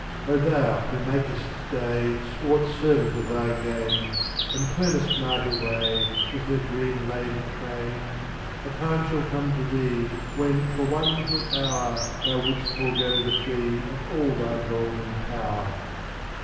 0Utt<$ dTSftiflY ®^ tnou wno niakest day „ Swart servant of thy gain, (JvC/ And turnest night away With her dream laden train, A time shall come to thee When for one little hour Thou wouldst forego the fee Of all thy golden power.